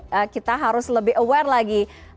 jadi kita harus lebih aware lagi